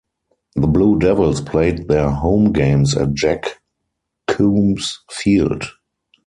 The Blue Devils played their home games at Jack Coombs Field.